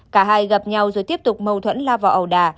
cả hai gặp nhau rồi tiếp tục mâu thuẫn la vào ẩu đà